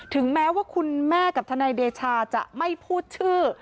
ถึงแม้ว่าคุณแม่กับทนายเดชาจะไม่พูดชื่อ